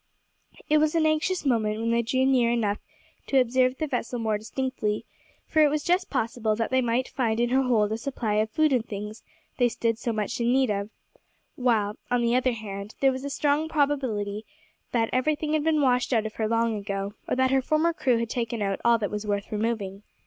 It was an anxious moment when they drew near enough to observe the vessel more distinctly, for it was just possible that they might find in her hold a supply of food and things they stood so much in need of, while, on the other hand, there was a strong probability that everything had been washed out of her long ago, or that her former crew had taken out all that was worth removing.